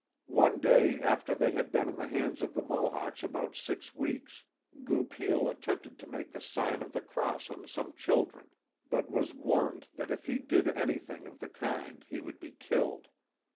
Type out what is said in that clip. One day, after they had been in the hands of the Mohawks about six weeks, Goupil attempted to make the sign of the cross on some children, but was warned th3t if he did any thing of the kind he would be killed.